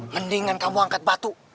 mendingan kamu angkat batu